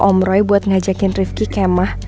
om roy buat ngajakin rifki kemah